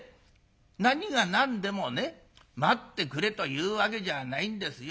何が何でもね待ってくれというわけじゃないんですよ。